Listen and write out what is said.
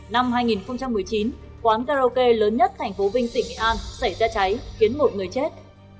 năm hai nghìn một mươi chín quán karaoke lớn nhất tp vinh tỉnh nghệ an xảy ra cháy khiến một người chết